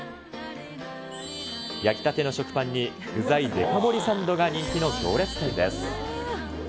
焼きたての食パンに、具材デカ盛りサンドが人気の行列店です。